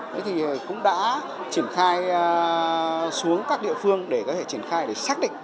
thế thì cũng đã triển khai xuống các địa phương để có thể triển khai để xác định